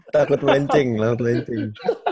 takut melenceng lah takut melenceng